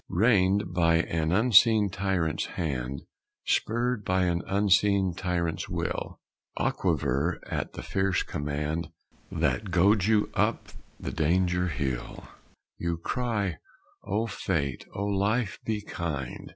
Reined by an unseen tyrant's hand, Spurred by an unseen tyrant's will, Aquiver at the fierce command That goads you up the danger hill, You cry: "O Fate, O Life, be kind!